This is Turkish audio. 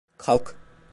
Kalk.